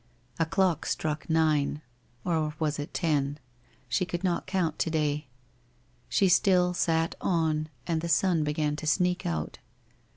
A clock struck nine — or was it ten ? She could not count to day. She still sat on, and the sun began to sneak out.